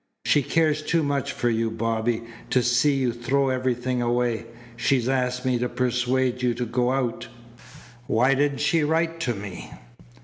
She cares too much for you, Bobby, to see you throw everything away. She's asked me to persuade you to go out." "Why didn't she write to me?"